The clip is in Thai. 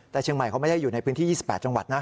แต่เชียงใหม่เขาไม่ได้อยู่ในพื้นที่๒๘จังหวัดนะ